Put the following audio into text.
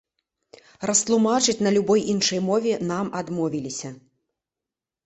Растлумачыць на любой іншай мове нам адмовіліся.